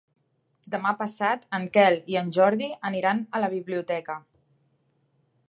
Demà passat en Quel i en Jordi aniran a la biblioteca.